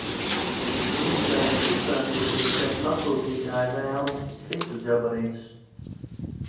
Ir iespējams uzstādīt arī, pēc pasūtītāja vēlmes, citus gabarītus.